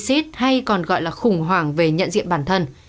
xiết hay còn gọi là khủng hoảng về nhận diện bản thân